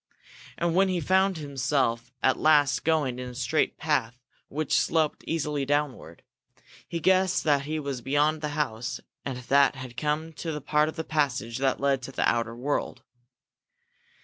And when he found himself at last going in a straight path which sloped easily downward, he guessed that he was beyond the house, and that he had come to a part of the passage that led to the outer world.